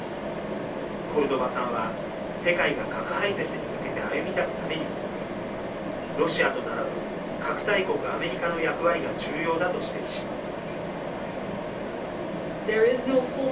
コルドバさんは世界が核廃絶に向けて歩みだすためにもロシアと並ぶ核大国アメリカの役割が重要だと指摘します。